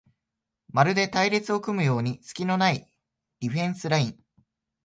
まるで隊列を組むようにすきのないディフェンスライン